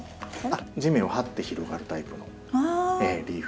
地面をはって広がるタイプのリーフ。